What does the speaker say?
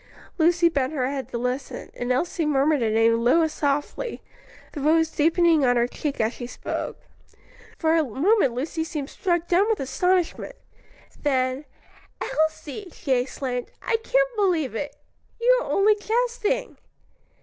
Lucy bent her head to listen, and Elsie murmured the name low and softly, the rose deepening on her cheek as she spoke. For a moment Lucy seemed struck dumb with astonishment. Then, "Elsie!" she exclaimed, "I can't believe it; you are only jesting."